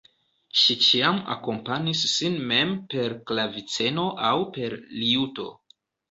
Ŝi ĉiam akompanis sin mem per klaviceno aŭ per liuto.